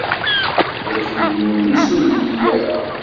Wagi yiwen-is ur yelli ara.